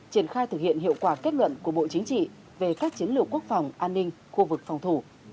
triển khai thực hiện hiệu quả kết luận của bộ chính trị về các chiến lược quốc phòng an ninh khu vực phòng thủ